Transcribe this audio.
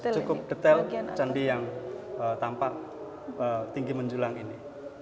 cukup detail candi yang tampak tinggi menjulang ini